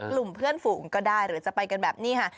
กลุ่มเพื่อนฝูงก็ได้หรือจะไปกันแบบนี้ค่ะ